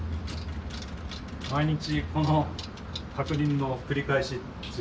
毎日この確認の繰り返しっていう。